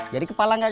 jadi kepala gak gatel